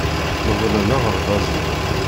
Medlen aɣerbaz-nni.